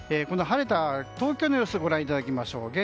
この晴れた東京の様子ご覧いただきましょう。